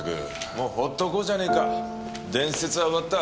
もうほっとこうじゃねえか伝説は終わった。